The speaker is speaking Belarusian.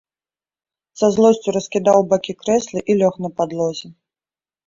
Са злосцю раскідаў у бакі крэслы і лёг на падлозе.